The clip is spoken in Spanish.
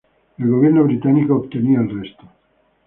El gobierno británico obtenía el resto.